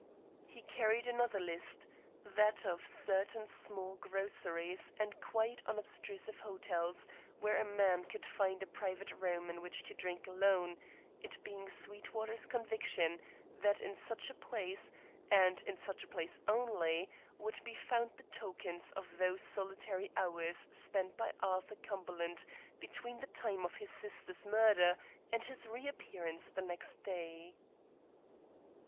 He carried another list, that of certain small groceries and quiet unobtrusive hotels where a man could find a private room in which to drink alone; it being Sweetwater's conviction that in such a place, and in such a place only, would be found the tokens of those solitary hours spent by Arthur Cumberland between the time of his sister's murder and his reappearance the next day.